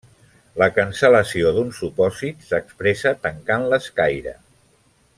La cancel·lació d'un supòsit s'expressa tancant l'escaire.